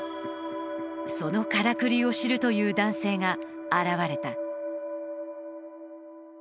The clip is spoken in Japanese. そのカラクリを知るという男性が現れた。